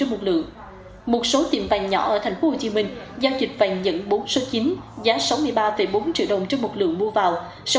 một số tiệm vàng nhỏ ở tp hcm giao dịch vàng nhận bốn số chín giá sáu mươi ba bốn triệu đồng cho một lượng mua vào